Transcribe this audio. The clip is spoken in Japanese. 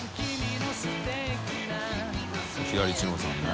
舛蕕チノさんね。